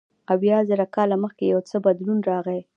اویا زره کاله مخکې یو څه بدلون راغی.